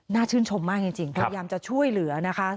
ชื่นชมมากจริงพยายามจะช่วยเหลือนะคะ